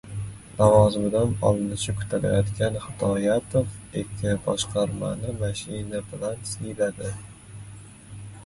Lavozimidan olinishi kutilayotgan Hidoyatov ekoboshqarmani mashina bilan siyladi